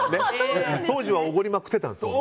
当時はおごりまくっていたんですか？